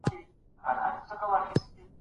د ځان ساتني دپاره نظم ډېر مهم دی.